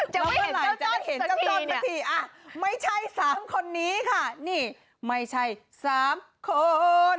แล้วเวลาจะเห็นเจ้าจ้อนสักทีไม่ใช่สามคนนี้ค่ะนี่ไม่ใช่สามคน